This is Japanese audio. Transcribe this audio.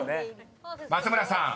［松村さん